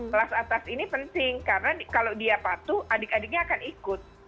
kelas atas ini penting karena kalau dia patuh adik adiknya akan ikut